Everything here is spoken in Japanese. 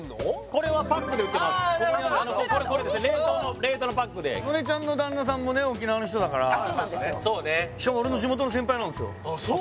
これはパックで売ってますパックだお肉冷凍のパックで曽根ちゃんの旦那さんもね沖縄の人だからしかも俺の地元の先輩なんですよあっ